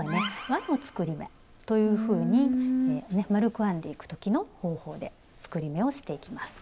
「わの作り目」というふうに丸く編んでいく時の方法で作り目をしていきます。